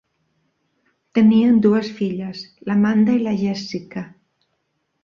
Tenien dues filles, l'Amanda i la Jessica.